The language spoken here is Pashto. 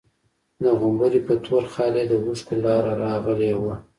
د غومبري په تور خال يې د اوښکو لاره راغلې وه.